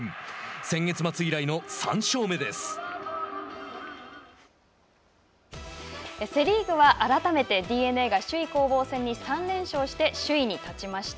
先月末以来のセ・リーグは改めてＤｅＮＡが首位攻防戦に３連勝して、首位に立ちました。